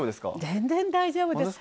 全然大丈夫です。